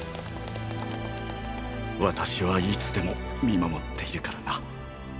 私はいつでも見守っているからな。